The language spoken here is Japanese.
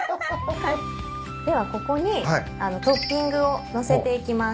ではここにトッピングを載せていきます。